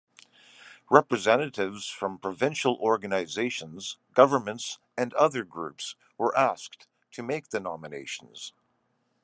Representatives from provincial organizations, governments and other groups were asked to make the nominations.